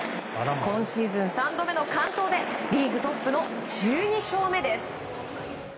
今シーズン３度目の完投でリーグトップの１２勝目です。